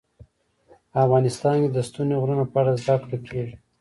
افغانستان کې د ستوني غرونه په اړه زده کړه کېږي.